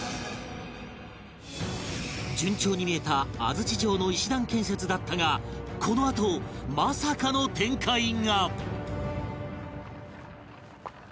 順調に見えた安土城の石段建設だったがこのあとまさかの展開が